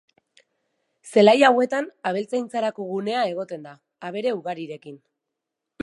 Zelai hauetan abeltzaintzarako gunea egoten da, abere ugarirekin.